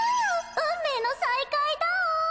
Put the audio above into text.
運命の再会だお！